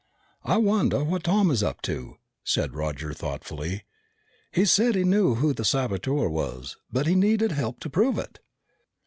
"I wonder what Tom is up to?" said Roger thoughtfully. "He said he knew who the saboteur was, but he needed help to prove it."